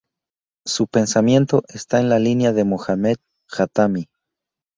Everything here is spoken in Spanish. Su pensamiento está en la línea de Mohamed Jatamí.